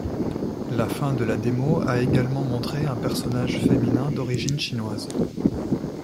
La fin de la démo a également montré un personnage féminin d'origine chinoise.